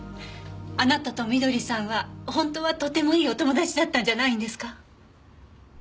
あなたと翠さんは本当はとてもいいお友達だったんじゃないんですか？